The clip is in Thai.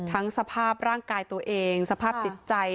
สภาพร่างกายตัวเองสภาพจิตใจ